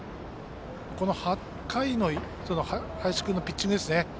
８回の林君のピッチングですね。